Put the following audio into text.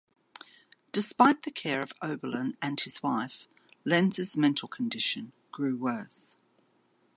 Despite the care of Oberlin and his wife, Lenz's mental condition grew worse.